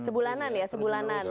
sebulanan ya sebulanan